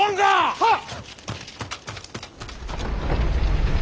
はっ！